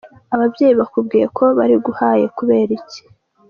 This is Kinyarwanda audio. Ababyeyi bakubwiye ko bariguhaye kubera iki?.